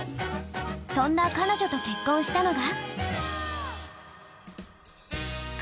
そんな彼女と結婚したのが？